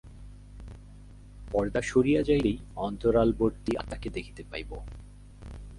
পর্দা সরিয়া যাইলেই অন্তরালবর্তী আত্মাকে দেখিতে পাইব।